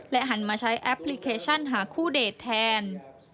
หันมาใช้แอปพลิเคชันหาคู่เดทแทน